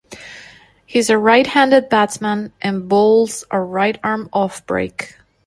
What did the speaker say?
He is a right-handed batsman and bowls a right-arm offbreak.